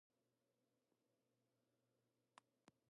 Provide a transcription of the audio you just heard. د دې دورې دوه تنه فرهنګي شخصیتونه ووایئ.